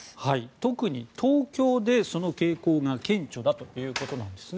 特に東京でその傾向が顕著だということなんです。